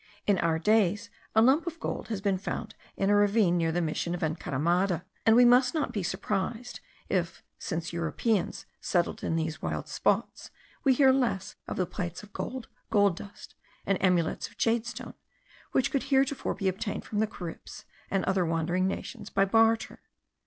In our days a lump of gold has been found in a ravine near the mission of Encaramada, and we must not be surprised if, since Europeans settled in these wild spots, we hear less of the plates of gold, gold dust, and amulets of jade stone, which could heretofore be obtained from the Caribs and other wandering nations by barter.